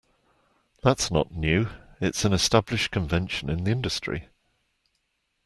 That's not new, it's an established convention in the industry.